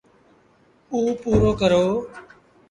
اُ پورو ڪرو۔